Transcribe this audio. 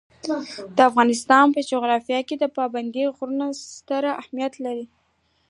د افغانستان په جغرافیه کې پابندي غرونه ستر اهمیت لري.